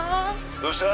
どうした？